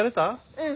うん。